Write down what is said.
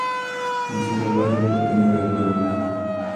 Nació en el barrio porteño de Almagro.